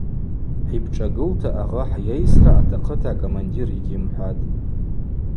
Хӏипшӏагылта агъа хӏйайсра атахъыта акомандир йыгьйымхӏватӏ.